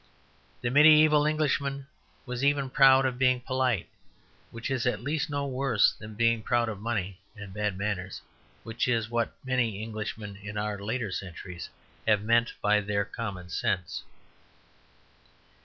The mediæval Englishman was even proud of being polite; which is at least no worse than being proud of money and bad manners, which is what many Englishmen in our later centuries have meant by their common sense.